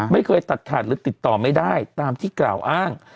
ไม่เคยตัดขาดหรือติดต่อไม่ได้ตามที่กล่าวอ้าง